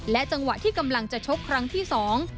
จังหวะที่กำลังจะชกครั้งที่สอง